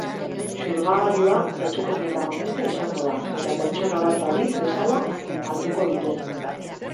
Xurgagailua etxeko protagonista izango da, eta pertsona bat balitz bezala hartuko dute.